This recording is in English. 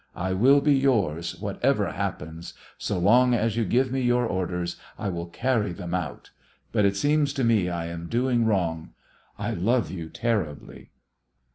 I will be yours, whatever happens. So long as you give me your orders I will carry them out. But it seems to me I am doing wrong. I love you terribly."